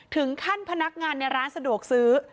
ถึงขั้นพนักงานในร้านสะดวกซื้อ